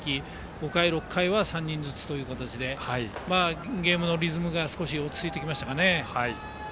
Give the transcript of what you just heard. ５回、６回は３人ずつでゲームのリズムが落ち着いてきましたかね。